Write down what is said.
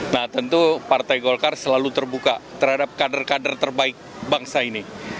nah tentu partai golkar selalu terbuka terhadap kader kader terbaik bangsa ini